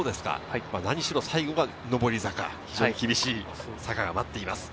何しろ最後が上り坂、非常に厳しい坂が待っています。